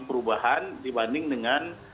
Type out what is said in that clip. perubahan dibanding dengan